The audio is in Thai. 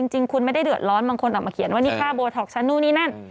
จริงคุณไม่ได้เดือดร้อนบางคนออกมาเขียนว่านี่ค่าโบท็อกฉันนู่นนี่นั่น